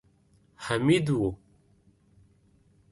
حميد و.